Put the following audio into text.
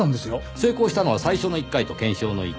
成功したのは最初の１回と検証の１回。